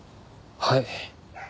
はい。